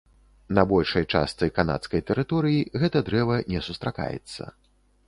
На большай частцы канадскай тэрыторый гэтае дрэва не сустракаецца.